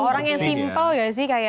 apa orang yang simpel gak sih